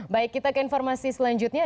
baik kita ke informasi selanjutnya